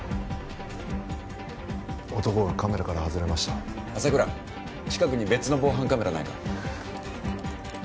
男がカメラから外れました朝倉近くに別の防犯カメラないか？